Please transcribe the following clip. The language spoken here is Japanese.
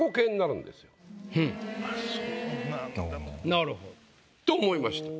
なるほど。と思いました。